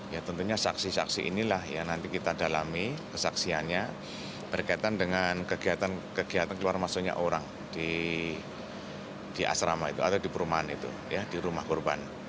ya tentunya saksi saksi inilah yang nanti kita dalami kesaksiannya berkaitan dengan kegiatan kegiatan keluar masuknya orang di asrama itu atau di perumahan itu di rumah korban